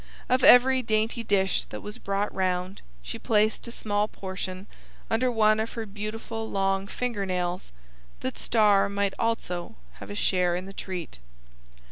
Of every dainty dish that was brought round, she placed a small portion under one of her beautiful long fingernails, that Star might also have a share in the treat.